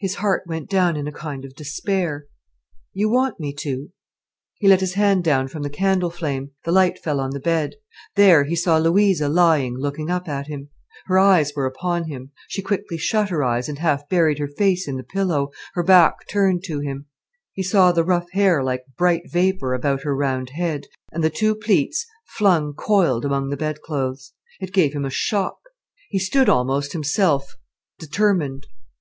His heart went down in a kind of despair. "You want me to?" He let his hand down from the candle flame. The light fell on the bed. There he saw Louisa lying looking up at him. Her eyes were upon him. She quickly shut her eyes and half buried her face in the pillow, her back turned to him. He saw the rough hair like bright vapour about her round head, and the two plaits flung coiled among the bedclothes. It gave him a shock. He stood almost himself, determined.